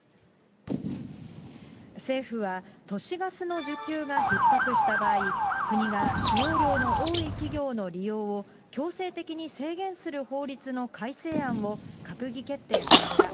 政府は、都市ガスの需給がひっ迫した場合、国が使用量の多い企業の利用を、強制的に制限する法律の改正案を閣議決定しました。